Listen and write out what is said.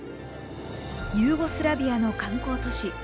ユーゴスラビアの観光都市